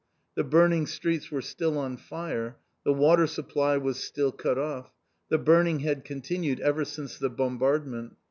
The burning streets were still on fire. The water supply was still cut off. The burning had continued ever since the bombardment.